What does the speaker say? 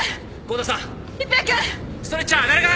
ストレッチャー誰か！